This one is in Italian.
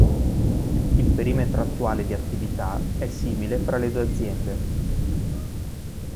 Il perimetro attuale di attività è simile fra le due aziende.